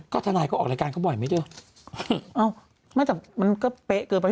ก็ทนายก็ออกรายการก็บ่อยไหมเจ้า